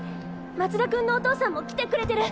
松田君のお父さんも来てくれてる。